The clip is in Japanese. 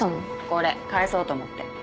これ返そうと思って。